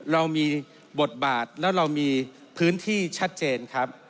เรามีบทบาทแล้วเรามีพื้นที่ชัดเจนครับ